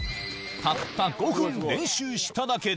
たった５分練習しただけで。